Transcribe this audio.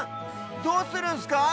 どうするんすか？